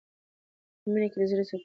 په مینه کې د زړه سکون دی.